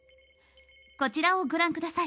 こちらをご覧下さい。